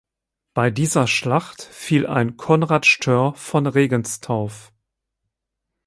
Bei dieser Schlacht fiel ein "Konrad Stör von Regenstauf".